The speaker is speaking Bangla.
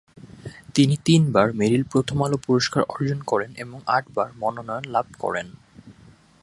তিনি তিনবার মেরিল-প্রথম আলো পুরস্কার অর্জন করেন এবং আটবার মনোনয়ন লাভ করেন।